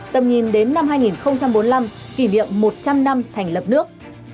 tầm nhìn đến năm hai nghìn bốn mươi năm kỷ niệm một trăm linh năm thành lập nước